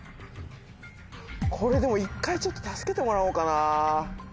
これでも一回ちょっと助けてもらおうかな。